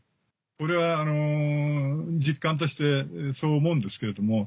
これは実感としてそう思うんですけれども。